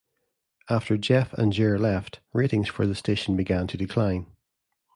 After Jeff and Jer left, ratings for the station began to decline.